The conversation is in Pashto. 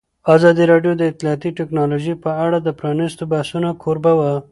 ازادي راډیو د اطلاعاتی تکنالوژي په اړه د پرانیستو بحثونو کوربه وه.